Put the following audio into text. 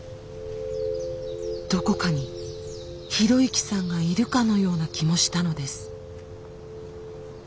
どこかに啓之さんがいるかのような気もしたのです。